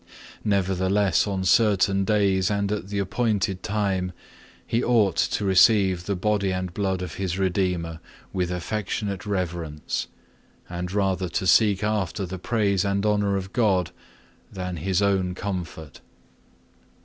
Nevertheless on certain days and at the appointed time he ought to receive the Body and Blood of his Redeemer with affectionate reverence, and rather to seek after the praise and honour of God, than his own comfort.